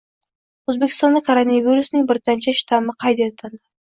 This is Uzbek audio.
Oʻzbekistonda koronavirusning “britancha shtamm”i qayd etildi